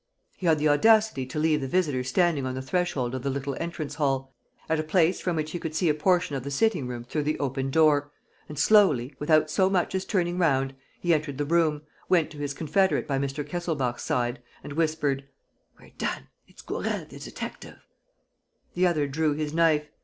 He had the audacity to leave the visitor standing on the threshold of the little entrance hall, at a place from which he could see a portion of the sitting room through the open door, and, slowly, without so much as turning round, he entered the room, went to his confederate by Mr. Kesselbach's side and whispered: "We're done! It's Gourel, the detective. ..." The other drew his knife.